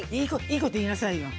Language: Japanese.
いいこと言いなさいよ。